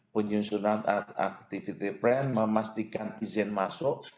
melakukan aspet penunjukan memastikan izin masuk